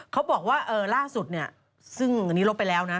เขาบอกว่าล่าสุดเนี่ยซึ่งอันนี้ลบไปแล้วนะ